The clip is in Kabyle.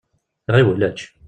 Ɣiwel ečč.